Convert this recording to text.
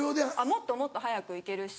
もっともっと速く行けるし。